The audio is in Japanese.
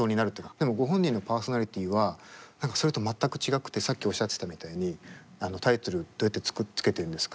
でもご本人のパーソナリティーは何かそれと全く違くてさっきおっしゃってたみたいにタイトルどうやって付けてるんですか？